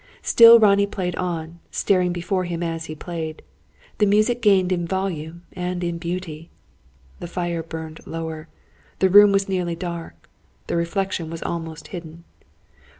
Still Ronnie played on, staring before him as he played. The music gained in volume and in beauty. The fire burned lower. The room was nearly dark. The reflection was almost hidden.